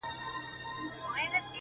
خلاصول يې خپل ځانونه اولادونه.!